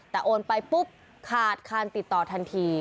แต่โอนไปปุ๊บขาดคานติดต่อทันที